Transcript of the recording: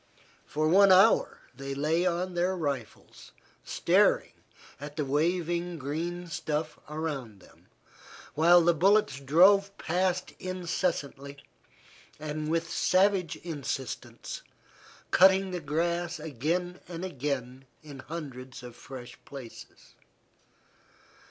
For one hour they lay on their rifles staring at the waving green stuff around them, while the bullets drove past incessantly, with savage insistence, cutting the grass again and again in hundreds of fresh places.